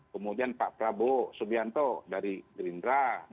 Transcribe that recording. kemudian pak prabowo subianto dari gerindra